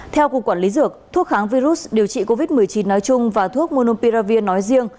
theo cục quản lý dược thuốc kháng virus điều trị covid một mươi chín nói chung và thuốc monom piravir nói riêng